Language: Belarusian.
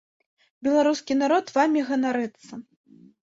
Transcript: Беларускі народ вамі ганарыцца.